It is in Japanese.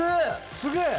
すげえ！